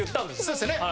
そうですよね。